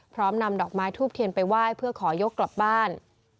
พร้อมนำดอกไม้ทูบเทียนไปไหว้เพื่อขอยกกลับบ้าน